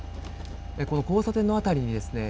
この交差点の辺りにですね